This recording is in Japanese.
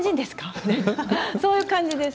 ってそういう感じです。